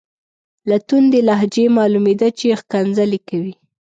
له توندې لهجې یې معلومیده چې ښکنځلې کوي.